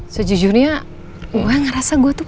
sejujurnya gue ngerasa gue tuh